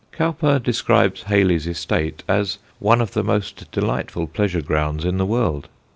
Cowper describes Hayley's estate as one of the most delightful pleasure grounds in the world.